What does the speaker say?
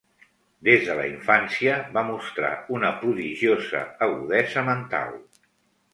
Des de la infància va mostrar una prodigiosa agudesa mental.